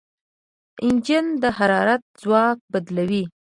انجن د حرارت ځواک بدلوي.